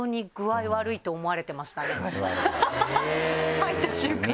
入った瞬間から。